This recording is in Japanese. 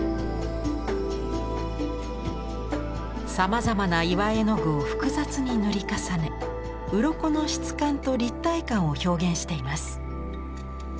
さまざまな岩絵の具を複雑に塗り重ねうろこの質感と立体感を表現しています。